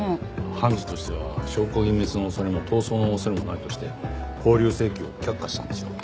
判事としては証拠隠滅の恐れも逃走の恐れもないとして勾留請求を却下したんでしょう。